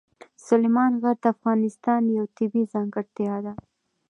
سلیمان غر د افغانستان یوه طبیعي ځانګړتیا ده.